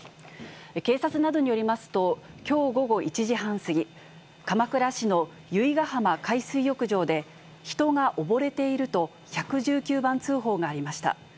警察などによりますと、きょう午後１時半過ぎ、鎌倉市の由比ガ浜海水浴場で、人が溺れていると、１１９番通報がありました。